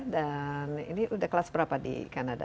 dan ini sudah kelas berapa di kanada